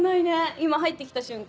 今入ってきた瞬間